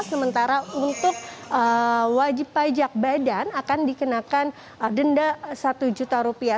sementara untuk wajib pajak badan akan dikenakan denda satu juta rupiah